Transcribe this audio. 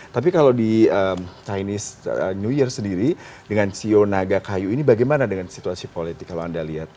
tapi kalau di teinis new york sendiri dengan cio naga kayu ini bagaimana dengan situasi politik kalau anda lihat